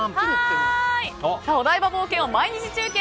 お台場冒険王毎日中継。